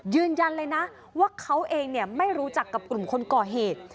ยืนยันเลยนะว่าเขาเองไม่รู้จักกับกลุ่มคนก่อเหตุ